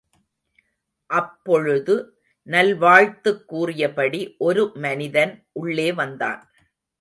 அப்பொழுது நல்வாழ்த்துக் கூறியபடி ஒரு மனிதன் உள்ளே வந்தான்.